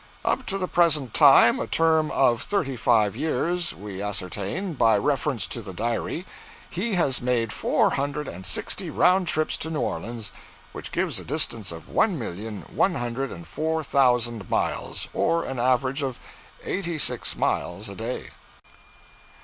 'Up to the present time, a term of thirty five years, we ascertain, by reference to the diary, he has made four hundred and sixty round trips to New Orleans, which gives a distance of one million one hundred and four thousand miles, or an average of eighty six miles a day.'